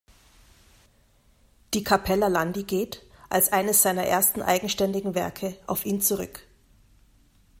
Die "Cappella Landi" geht, als eines seiner ersten eigenständigen Werke, auf ihn zurück.